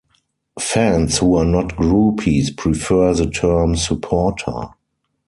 Fans who are not groupies prefer the term "supporter".